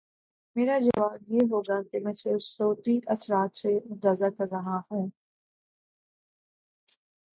میرا جواب یہ ہو گا کہ میں صرف صوتی اثرات سے اندازہ کر رہا ہوں۔